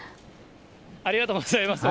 ありがとうございます。